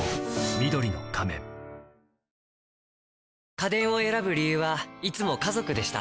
家電を選ぶ理由はいつも家族でした。